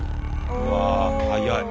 うわ早い。